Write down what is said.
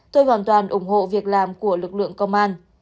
tôi hoàn toàn ủng hộ việc làm của lực lượng công an